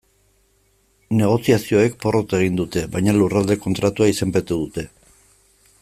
Negoziazioek porrot egin dute, baina Lurralde Kontratua izenpetu dute.